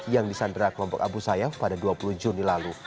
yang disandra kelompok abu sayyaf pada dua puluh juni lalu